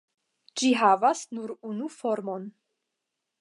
Ĝi havas nur unu formon.